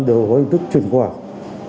đều có hình thức chuyển khoản